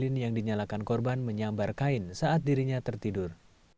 bin yang dinyalakan korban menyambar kain saat dirinya tertidur